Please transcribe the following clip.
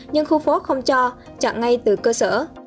nhưng khu phố không cho chặn ngay từ cơ sở